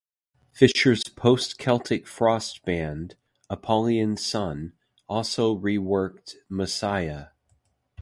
Fischer's post-Celtic Frost band, Apollyon Sun, also re-worked "Messiah".